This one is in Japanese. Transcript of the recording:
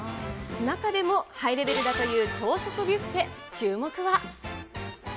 中でもハイレベルだという朝食ビュッフェ、注目は。